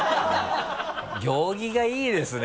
行儀がいいですね。